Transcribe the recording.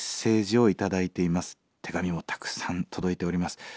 手紙もたくさん届いております。